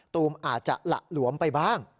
ตูมอาจจะหละหลวมไปบ้าง